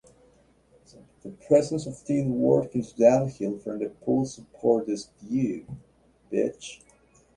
The presence of tin workings downhill from the pool support this view.